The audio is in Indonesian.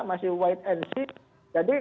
masih white and sea jadi